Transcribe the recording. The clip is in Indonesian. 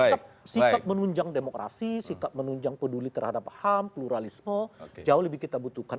jadi sikap menunjang demokrasi sikap menunjang peduli terhadap ham pluralisme jauh lebih kita butuhkan